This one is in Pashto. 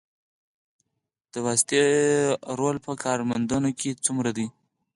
د واسطې رول په کار موندنه کې څومره دی؟